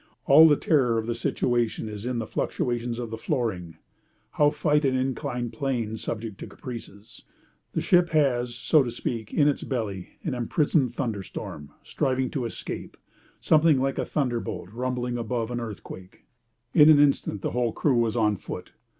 All the terror of the situation is in the fluctuations of the flooring. How fight an inclined plane subject to caprices? The ship has, so to speak, in its belly, an imprisoned thunderstorm, striving to escape; something like a thunderbolt rumbling above an earthquake. In an instant the whole crew was on foot.